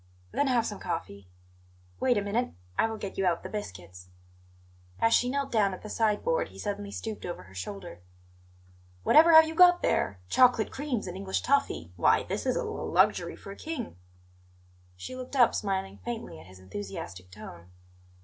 "Then have some coffee. Wait a minute; I will get you out the biscuits." As she knelt down at the side board he suddenly stooped over her shoulder. "Whatever have you got there? Chocolate creams and English toffee! Why, this is l luxury for a king!" She looked up, smiling faintly at his enthusiastic tone.